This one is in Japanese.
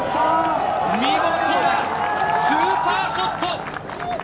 見事なスーパーショット！